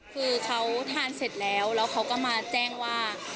คือเขาทานเสร็จแล้วแล้วเขาก็มาแจ้งว่า